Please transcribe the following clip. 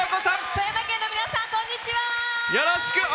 富山県の皆さんこんにちは！